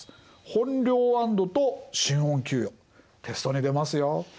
本領安堵と新恩給与テストに出ますよ。